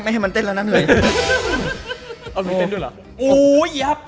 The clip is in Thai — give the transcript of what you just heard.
ไม่ให้มันเต้นแล้วน่าเหนื่อย